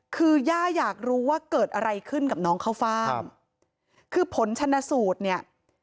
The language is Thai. คือย่าอยากรู้ว่าเกิดอะไรขึ้นกับน้องข้าวฟ่างคือผลชนสูตรเนี่ย